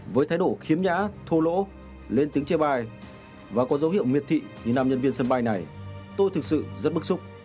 với thái độ khiếm nhã thua lỗ lên tiếng chê bài và có dấu hiệu miệt thị như nam nhân viên sân bay này tôi thực sự rất bức xúc